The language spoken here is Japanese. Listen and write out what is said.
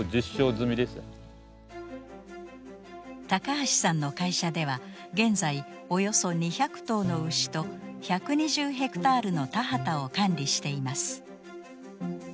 橋さんの会社では現在およそ２００頭の牛と１２０ヘクタールの田畑を管理しています。